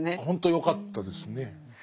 ほんとよかったですね。